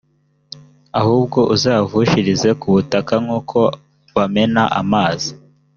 ahubwo uzayavushirize ku butaka nk’uko bamena amazi.